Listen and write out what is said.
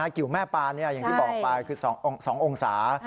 เกีย่วแม่ปานเนี่ยที่บอกคือ๒องศา